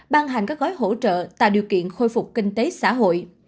ban hành các gói hỗ trợ tạo điều kiện khôi phục kinh tế xã hội